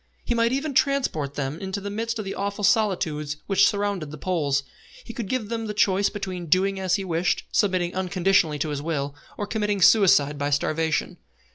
He might even transport them into the midst of the awful solitudes which surround the Poles. He could give them the choice between doing as he wished, submitting unconditionally to his will, or committing suicide by starvation.